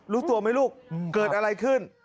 รู้ตัวไหมลูกเกิดอะไรขึ้น